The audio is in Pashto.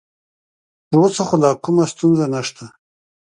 تر اوسه خو لا کومه ستونزه نشته.